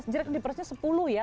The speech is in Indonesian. jiriknya di persnya sepuluh ya